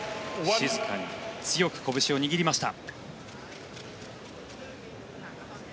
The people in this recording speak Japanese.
静かに強くこぶしを握りました。